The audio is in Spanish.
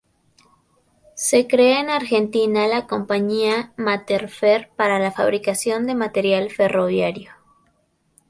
Se crea en Argentina la compañía Materfer para la fabricación de material ferroviario.